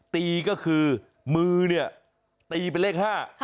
ตีก็คือมือเนี่ยตีเป็นเลข๕